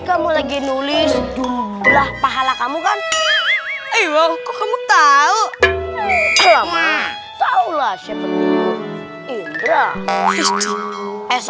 kamu lagi nulis jumlah pahala kamu kan iya kamu tahu lama taulah siapa itu iya itu es